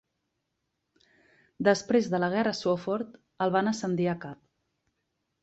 Després de la guerra Swofford el van ascendir a cap.